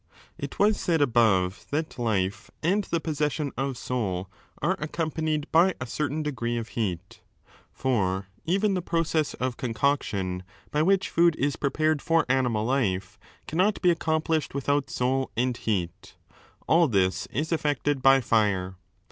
It was said above that life and the possession of soul are accompanied by a certain degree of heat^ For even the process of concoction, by which food is prepared for animal life, cannot be accomplished without soul and 2 heat ; all this is effected by fire.